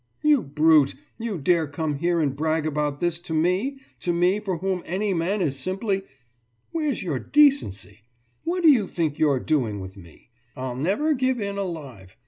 You brute, you dare come here and brag about this to me to me for whom any man is simply.... Where's your decency? What do you think you're doing with me? »I'll never give in alive.